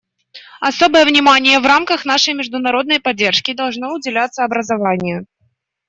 Особое внимание в рамках нашей международной поддержки должно уделяться образованию.